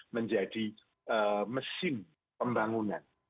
menjadi mesin pembangunan